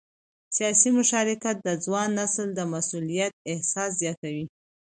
سیاسي مشارکت د ځوان نسل د مسؤلیت احساس زیاتوي